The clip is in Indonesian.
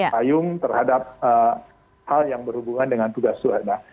payung terhadap hal yang berhubungan dengan tugas suhana